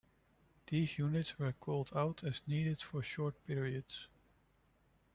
These units were called out as needed for short periods.